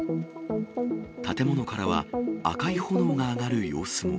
建物からは、赤い炎が上がる様子も。